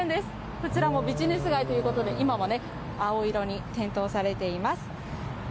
こちらもビジネス街ということで、今はね、青色に点灯されています。